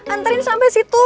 antarin sampai situ